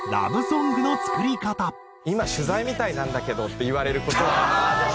「今取材みたいなんだけど」って言われる事はあります。